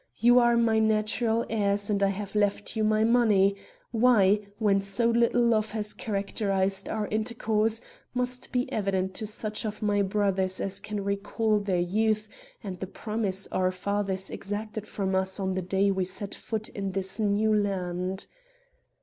You are my natural heirs and I have left you my money; why, when so little love has characterized our intercourse, must be evident to such of my brothers as can recall their youth and the promise our father exacted from us on the day we set foot in this new land.